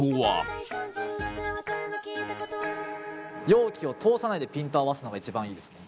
容器を通さないでピントを合わすのが一番いいですね。